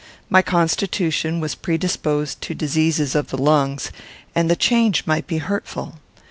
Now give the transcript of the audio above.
My constitution was predisposed to diseases of the lungs, and the change might be hurtful.